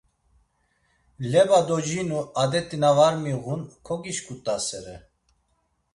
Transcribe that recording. Leba docinu adet̆i na var miğun kogişǩut̆asere.